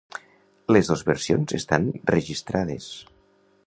Les dos versions estan registrades.